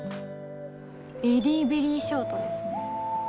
ベリーベリーショートですね。